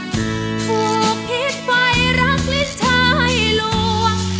ดูผิดไปรักลิ้นชายล่วง